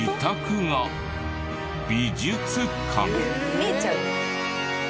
見えちゃう。